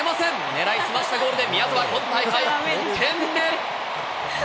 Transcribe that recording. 狙い澄ましたゴールで宮澤、今大会５点目。